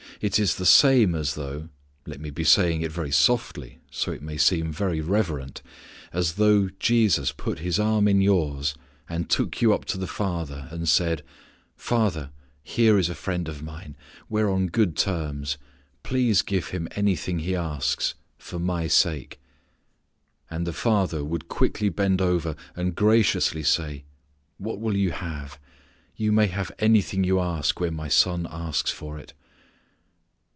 It is the same as though let me be saying it very softly so it may seem very reverent as though Jesus put His arm in yours and took you up to the Father, and said, "Father, here is a friend of mine; we're on good terms. Please give him anything he asks, for My sake." And the Father would quickly bend over and graciously say, "What'll you have? You may have anything you ask when My Son asks for it."